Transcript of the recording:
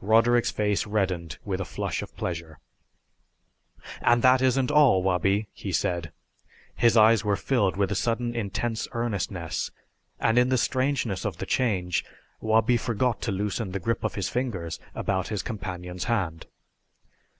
Roderick's face reddened with a flush of pleasure. "And that isn't all, Wabi," he said. His eyes were filled with a sudden intense earnestness, and in the strangeness of the change Wabi forgot to loosen the grip of his fingers about his companion's hand.